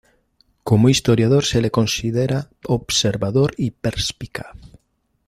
Como historiador se le considera observador y perspicaz.